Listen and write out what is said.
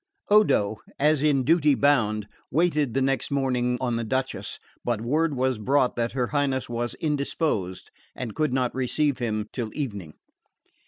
Odo, as in duty bound, waited the next morning on the Duchess; but word was brought that her Highness was indisposed, and could not receive him till evening.